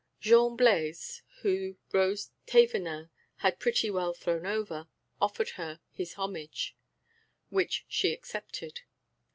Jean Blaise, whom Rose Thévenin had pretty well thrown over, offered her his homage, which she accepted.